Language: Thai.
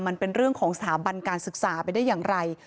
มันเป็นเรื่องของสถาบันการศึกษาไปได้อย่างไร